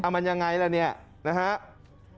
มันยังไงล่ะเนี่ยนะครับ